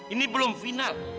ini belum final